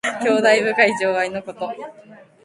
兄弟の深い情愛のこと。